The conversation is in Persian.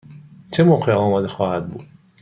چه موقع آماده خواهد بود؟